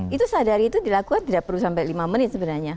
itu sadari itu dilakukan tidak perlu sampai lima menit sebenarnya